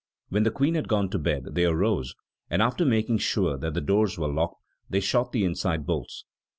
When the Queen had gone to bed, they rose, and after making sure that the doors were locked, they shot the inside bolts.